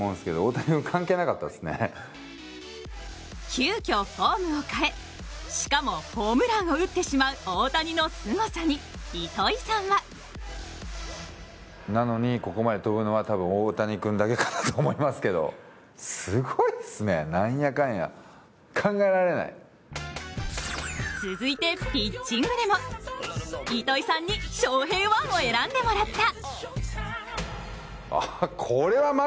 急きょフォームを変え、しかもホームランを打ってしまう大谷のすごさに糸井さんは続いてピッチングでも糸井さんに「ＳＨＯＨＥＩ☆１」を選んでもらった。